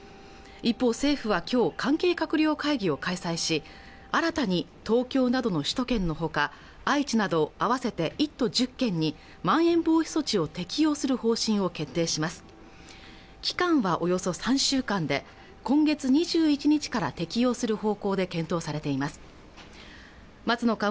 一方政府はきょう関係閣僚会議を開催し新たに東京などの首都圏のほか愛知など合わせて１都１０県にまん延防止措置を適用する方針を決定します期間はおよそ３週間で今月２１日から適用する方向で検討されています松野